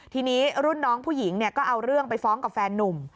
ทีนี้รุ่นน้องผู้หญิงก็เอาเรื่องไปฟ้องกับแฟนนุ่ม